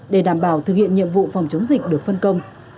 để đảm bảo thực hiện nhiệm vụ phòng chống dịch được phân công